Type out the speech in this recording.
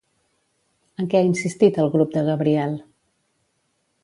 En què ha insistit el grup de Gabriel?